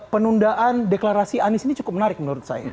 penundaan deklarasi anies ini cukup menarik menurut saya